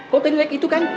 kau tadi naik itu kan